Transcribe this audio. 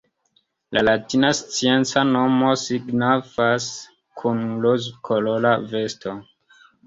La latina scienca nomo signifas “kun rozkolora vesto”.